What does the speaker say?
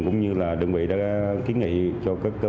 cũng như đơn vị đã kiến nghị cho cơ quan quản lý